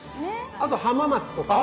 あと浜松とかね。